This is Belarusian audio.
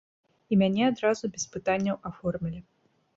І мяне адразу без пытанняў аформілі.